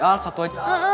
al satu aja